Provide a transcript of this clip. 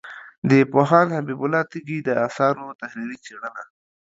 د پوهاند حبیب الله تږي د آثارو تحلیلي څېړنه